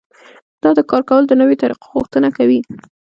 دا د کار کولو د نويو طريقو غوښتنه کوي.